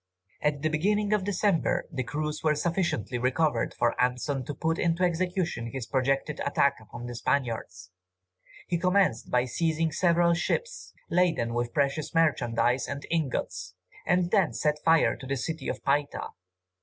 At the beginning of December, the crews were sufficiently recovered for Anson to put into execution his projected attack upon the Spaniards. He commenced by seizing several ships laden with precious merchandise and ingots, and then set fire to the city of Paita.